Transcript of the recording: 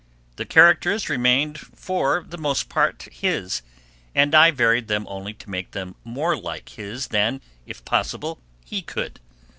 The characters remained for the most part his, and I varied them only to make them more like his than, if possible, he could.